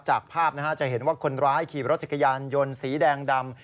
จากภาพจะเห็นว่าคนร้ายขี่รถจักรยานยนต์สีแดงดำ